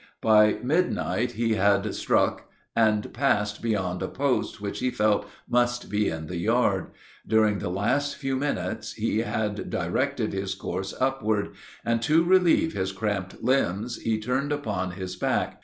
By midnight he had struck and passed beyond a post which he felt must be in the yard. During the last few minutes he had directed his course upward, and to relieve his cramped limbs he turned upon his back.